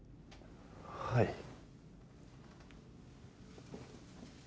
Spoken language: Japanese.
はい。